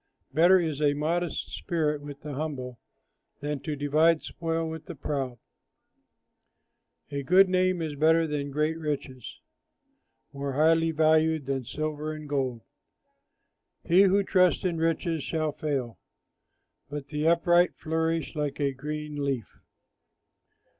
Better is a modest spirit with the humble, Than to divide spoil with the proud. A good name is better than great riches, More highly valued than silver and gold. He who trusts in riches shall fail, But the upright flourish like a green leaf.